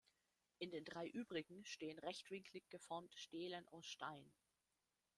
In den drei übrigen stehen rechtwinklig geformte Stelen aus Stein.